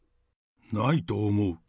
ないと思う。